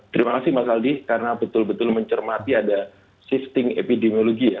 terima kasih mas aldi karena betul betul mencermati ada shifting epidemiologi ya